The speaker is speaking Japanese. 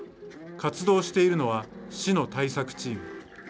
活動しているのは、市の対策チーム。